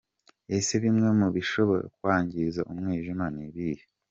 Ese bimwe mu bishobora kwangiza umwijima ni ibihe?.